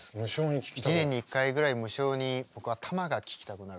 一年に１回ぐらい無性に僕はたまが聴きたくなるんです。